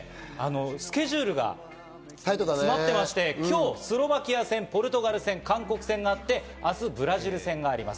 非常にスケジュールが詰まっていまして、今日スロバキア戦、ポルトガル戦、韓国戦があって、明日、ブラジル戦があります。